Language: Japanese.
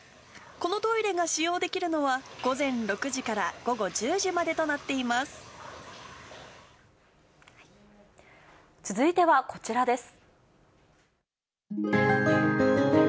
このトイレが使用できるのは、午前６時から午後１０時までとな続いてはこちらです。